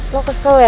lo kesel ya